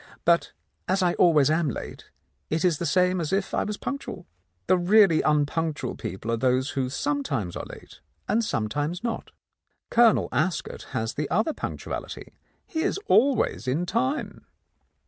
But as I always am late, it is the same as if I was punctual. The really un punctual people are those who sometimes are late and sometimes not. Colonel Ascot has the other punc tuality; he is always in time."